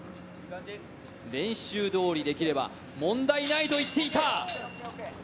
練習どおりできれば、問題ないと言っていた。